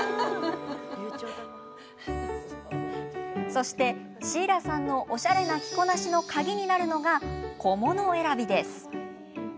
そして、シーラさんのおしゃれな着こなしの鍵になるのが小物選びです。